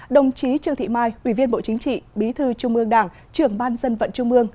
đồng chí trương thị mai ủy viên bộ chính trị bí thư trung ương đảng trưởng ban dân vận trung ương